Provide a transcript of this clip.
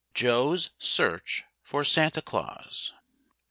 JOE'S SEARCH FOR SANTA CLAUS.